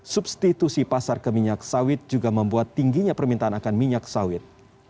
substitusi pasar ke minyak sawit juga membuat tingginya permintaan akan minyak sawit